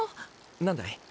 何だい？